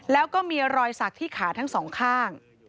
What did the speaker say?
แล้วก็มีรอยสักที่ขาทั้งสองข้าง